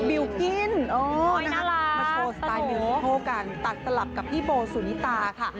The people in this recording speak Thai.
บิลกิ้นมาโชว์สไตล์มินิโคลกันตัดสลับกับพี่โบสุนิตาค่ะ